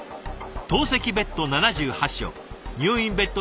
透析ベッド７８床入院ベッド